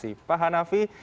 terima kasih pak hanafi